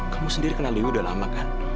kamu sendiri kenal liwe udah lama kan